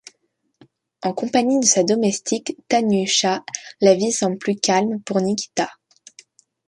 En compagnie de sa domestique, Tanyusha, la vie semble plus calme pour Nikita.